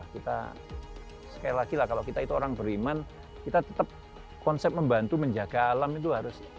kita sekali lagi lah kalau kita itu orang beriman kita tetap konsep membantu menjaga alam itu harus